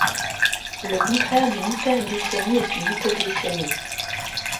Le contraire d'une hyperglycémie est une hypoglycémie.